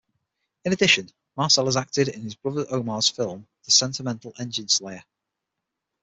In addition Marcel has acted in his brother Omar's film The Sentimental Engine Slayer.